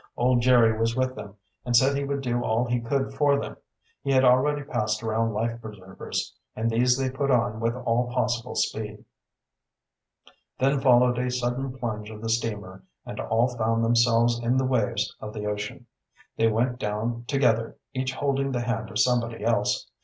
Old Jerry was with them, and said he would do all he could for them. He had already passed around life preservers, and these they put on with all possible speed. Then followed a sudden plunge of the steamer and all found themselves in the waves of the ocean. They went down together, each holding the hand of somebody else.